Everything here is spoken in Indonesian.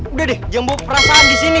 udah deh jangan bawa perasaan di sini